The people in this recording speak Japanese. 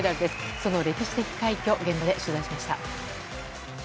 その歴史的快挙を現場で取材しました。